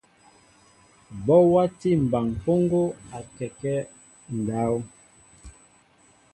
Bɔ watí mɓaŋ mpoŋgo akɛkέ ndáw.